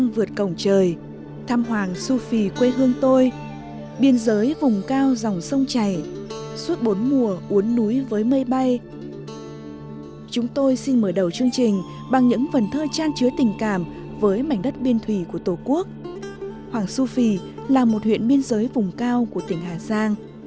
với mảnh đất biên thủy của tổ quốc hoàng su phi là một huyện biên giới vùng cao của tỉnh hà giang